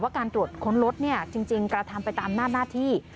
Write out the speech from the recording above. การตรวจค้นรถจริงกระทำไปตามหน้าที่